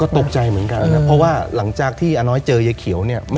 ตกใจเหมือนกันนะครับเพราะว่าหลังจากที่อาน้อยเจอยายเขียวเนี่ย